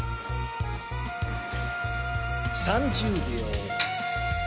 ３０秒。